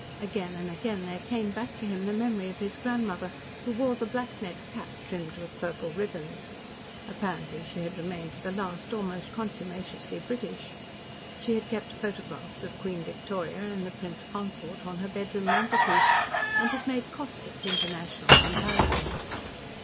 Again and again there came back to him the memory of the grandmother who wore the black net cap trimmed with purple ribbons. Apparently she had remained to the last almost contumaciously British. She had kept photographs of Queen Victoria and the Prince Consort on her bedroom mantelpiece, and had made caustic, international comparisons.